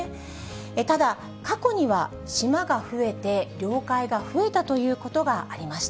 ただ、過去には島が増えて、領海が増えたということがありました。